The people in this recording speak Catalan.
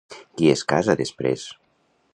Qui es casa després?